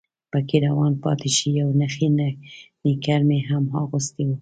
پکې روان پاتې شي، یو نخی نیکر مې هم اغوستی و.